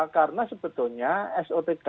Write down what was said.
karena sebetulnya sopk